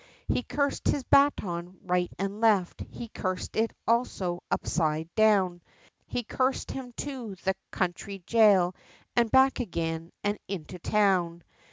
He cursed his baton right and left, he cursed it also upside down, He cursed him to the county gaol and back again, and into town.